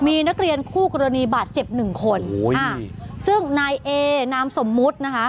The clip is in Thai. มีนักเรียนคู่กรณีบาดเจ็บ๑คนซึ่งนายเอน้ำสมมุทรนะคะ